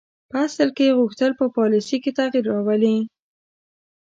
په اصل کې یې غوښتل په پالیسي کې تغییر راولي.